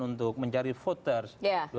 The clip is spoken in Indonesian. untuk mencari voters